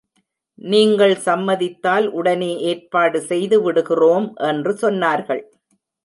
நீங்கள் சம்மதித்தால் உடனே ஏற்பாடு செய்து விடுகிறோம் என்று சொன்னார்கள்.